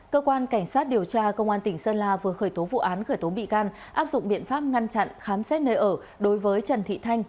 cơ quan cảnh sát điều tra công an tỉnh sơn la vừa khởi tố vụ án khởi tố bị can áp dụng biện pháp ngăn chặn khám xét nơi ở đối với trần thị thanh